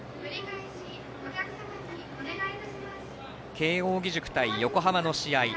慶応義塾対横浜の試合。